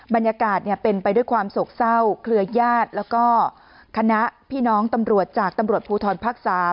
บรรยากาศเป็นไปด้วยความโศกเศร้าเครือญาติแล้วก็คณะพี่น้องตำรวจจากตำรวจภูทรภาค๓